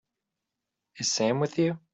Is Sam with you?